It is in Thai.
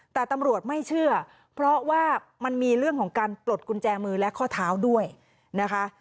แต่ตำรวจไม่เชื่อเพราะว่ามันมีเรื่องของการปลดกุญแจมือและข้อเท้าด้วยนะคะ